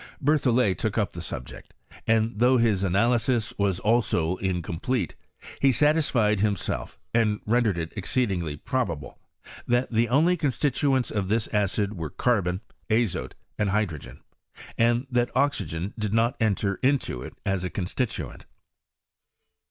Berthollet took up the subject, and though his analysis was also in complete, he satished himself, and rendered it ex ceedingly probable, that the only constituents of this acid were, carbon, azote, and hydrogen, and that oxygen did not enter into it as a constituent.